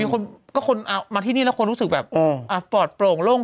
คนมาที่นี่แล้วคนรู้สึกแบบปลอดโปร่งโล่ง